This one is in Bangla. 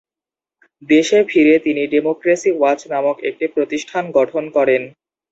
দেশে ফিরে তিনি ডেমোক্রেসি ওয়াচ নামক একটি প্রতিষ্ঠান গঠন করেন।